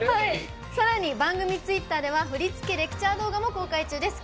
さらに番組ツイッターでは振り付けレクチャー動画も公開中です。